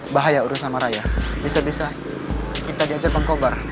bahaya urusan maraya bisa bisa kita diajar bangkobar